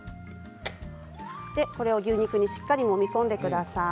これを牛肉にしっかりもみ込んでください。